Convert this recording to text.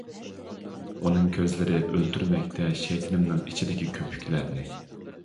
ئۇنىڭ كۆزلىرى ئۆلتۈرمەكتە شەيتىنىمنىڭ ئىچىدىكى كۆپۈكلەرنى.